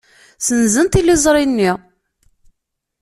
Ssenzen tiliẓri-nni.